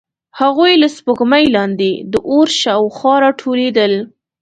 هغوی له سپوږمۍ لاندې د اور شاوخوا راټولېدل.